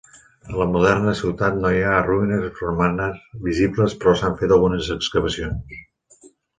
A la moderna ciutat no hi ha ruïnes romanes visibles però s'han fet algunes excavacions.